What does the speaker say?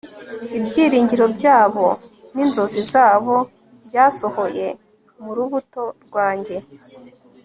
ibyiringiro byabo n'inzozi zabo byasohoye mu rubuto rwanjye